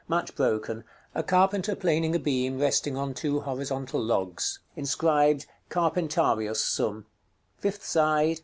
_ Much broken. A carpenter planing a beam resting on two horizontal logs. Inscribed "CARPENTARIUS SUM." _Fifth side.